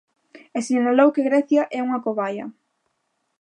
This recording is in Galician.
E sinalou que Grecia é unha cobaia.